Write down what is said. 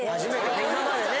今までね。